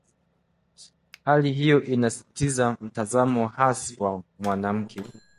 Hali hiyo inasisitiza mtazamo hasi wa mwanamke